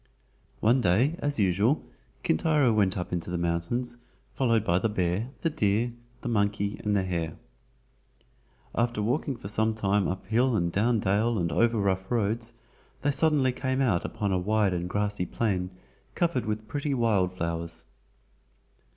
One day, as usual, Kintaro went up into the mountains, followed by the bear, the deer, the monkey, and the hare. After walking for some time up hill and down dale and over rough roads, they suddenly came out upon a wide and grassy plain covered with pretty wild flowers.